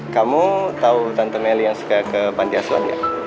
kamu tau tante meli yang suka ke pantiasuan ya